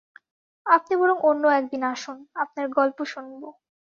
আপনি বরং অন্য একদিন আসুন, আপনার গল্প শুনব।